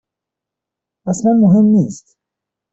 اصلا مهم نیست.